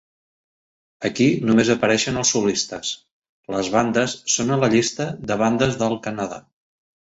Aquí només apareixen els solistes; les bandes són a la llista de bandes del Canadà.